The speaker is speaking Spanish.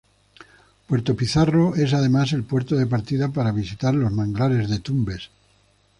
Puerto Pizarro es además el punto de partida para visitar los Manglares de Tumbes.